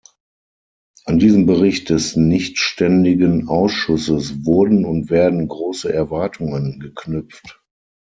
An diesen Bericht des nichtständigen Ausschusses wurden und werden große Erwartungen geknüpft.